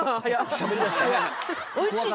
しゃべり出した。